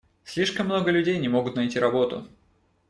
Слишком много людей не могут найти работу.